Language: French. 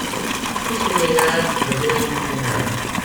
Il fut l'élève de Léon Brunel.